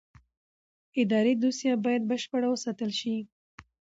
اداري دوسیه باید بشپړه وساتل شي.